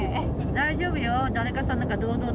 大丈夫よ。